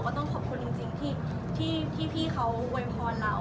ต้องขอบคุณจริงที่พี่เขาโวยพรเรา